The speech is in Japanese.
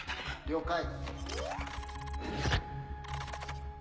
了解。